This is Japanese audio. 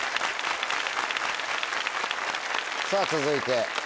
さぁ続いて。